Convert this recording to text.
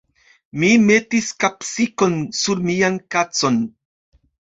Mi metis kapsikon sur mian kacon.